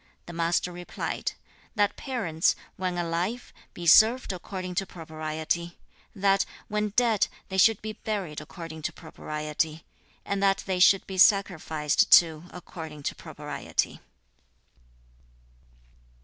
The Master replied, 'That parents, when alive, be served according to propriety; that, when dead, they should be buried according to propriety; and that they should be sacrificed to according to propriety.'